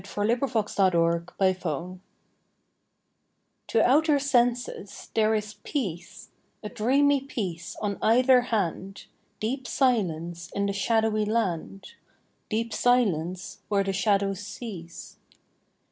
fi4S] II LA FUITE DE LA LUNE TO outer senses there is peace, A dreamy peace on either hand, Deep silence in the shadowy land, Deep silence where the shadows cease.